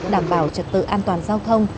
đảm bảo trật tự an toàn giao thông